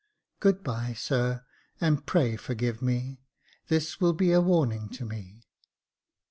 " Good bye, sir, and pray forgive me ; this will be a warning to me."